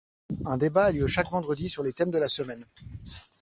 Un débat a lieu chaque vendredi sur les thèmes de la semaine.